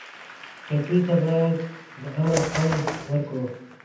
ټپي ته باید د امن خوند ورکړو.